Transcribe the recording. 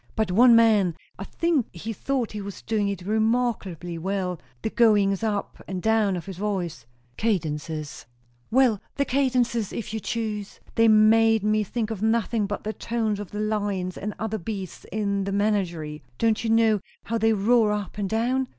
But one man I think he thought he was doing it remarkably well the goings up and down of his voice " "Cadences " "Well, the cadences if you choose; they made me think of nothing but the tones of the lions and other beasts in the menagerie. Don't you know how they roar up and down?